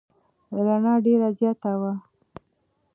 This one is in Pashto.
رڼا ډېره زیاته وه.